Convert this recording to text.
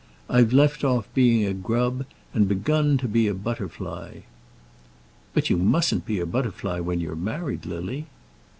I've left off being a grub, and begun to be a butterfly." "But you mustn't be a butterfly when you're married, Lily."